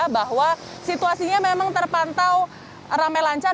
bahwa situasinya memang terpantau rame lancar